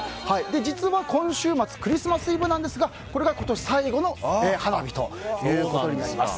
実は今週末クリスマスイブですがこれが今年最後の花火ということになります。